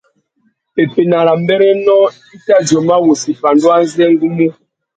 Pepena râ mbérénô i tà djôma wussi pandú azê ngu mú.